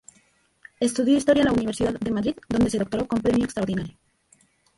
Estudió historia en la Universidad de Madrid, donde se doctoró con premio extraordinario.